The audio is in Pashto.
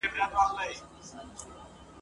دی روان سو ځان یې موړ کړ په بازار کي ..